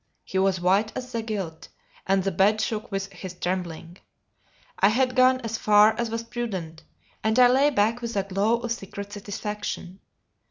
He was white as the quilt, and the bed shook with his trembling. I had gone as far as was prudent, and I lay back with a glow of secret satisfaction.